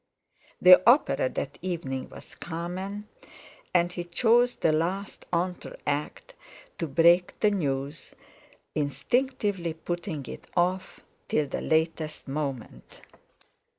The opera that evening was "Carmen," and he chose the last entr'acte to break the news, instinctively putting it off till the latest moment.